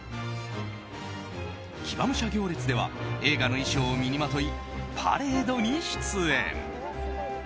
騎馬武者行列では映画の衣装を身にまといパレードに出演。